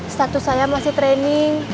status saya masih training